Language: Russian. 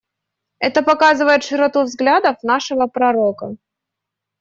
Это показывает широту взглядов нашего пророка.